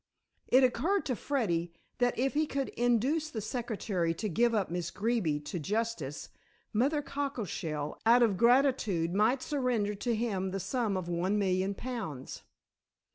It occurred to Freddy that if he could induce the secretary to give up Miss Greeby to justice, Mother Cockleshell, out of gratitude, might surrender to him the sum of one million pounds.